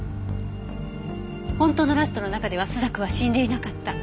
本当のラストの中では朱雀は死んでいなかった。